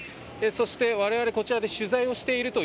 そして、我々こちらで取材をしていると